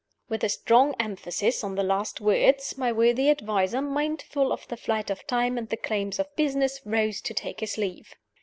With a strong emphasis on the last words, my worthy adviser, mindful of the flight of time and the claims of business, rose to take his leave.